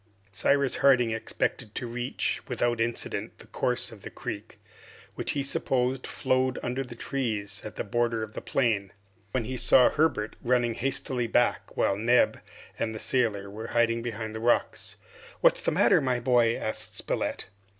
Cyrus Harding expected to reach, without incident, the course of the creek, which he supposed flowed under the trees at the border of the plain, when he saw Herbert running hastily back, while Neb and the sailor were hiding behind the rocks. "What's the matter, my boy?" asked Spilett.